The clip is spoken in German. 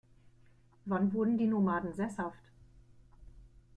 Wann wurden die Nomaden sesshaft?